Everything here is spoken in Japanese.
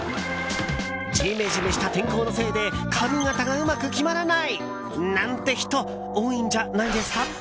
ジメジメした天候のせいで髪形がうまく決まらないなんて人多いんじゃないですか。